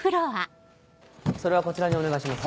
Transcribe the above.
それはこちらにお願いします。